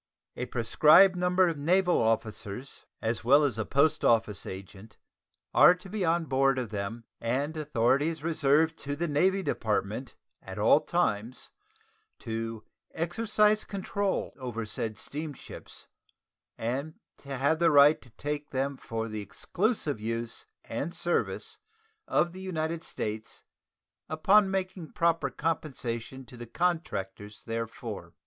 A prescribed number of naval officers, as well as a post office agent, are to be on board of them, and authority is reserved to the Navy Department at all times to "exercise control over said steamships" and "to have the right to take them for the exclusive use and service of the United States upon making proper compensation to the contractors therefor."